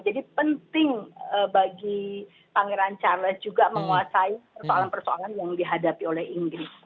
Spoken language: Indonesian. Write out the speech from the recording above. jadi penting bagi pangeran charles juga menguasai persoalan persoalan yang dihadapi oleh inggris